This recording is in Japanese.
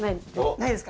ないですか。